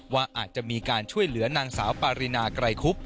ว่าอาจจะมีการช่วยเหลือนางสาวปารินาไกรคุบ